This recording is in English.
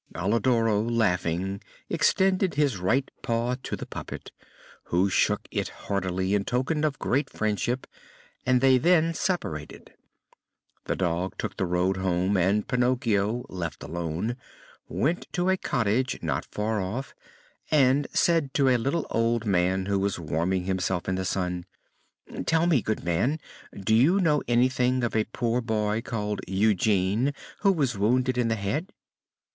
Alidoro, laughing, extended his right paw to the puppet, who shook it heartily in token of great friendship, and they then separated. The dog took the road home, and Pinocchio, left alone, went to a cottage not far off and said to a little old man who was warming himself in the sun: "Tell me, good man, do you know anything of a poor boy called Eugene who was wounded in the head?"